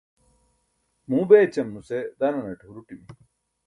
muu bećum nuse dananaṭe huruṭimi